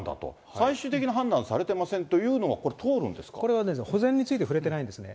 最終的な判断されてませんというこれはね、保全について触れてないんですよ。